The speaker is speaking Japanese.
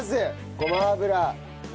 ごま油。